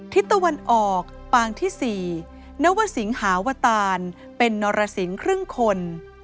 ทิศตะวันออกปางที่๔นวสิงหาวตานเป็นนรสิงครึ่งคน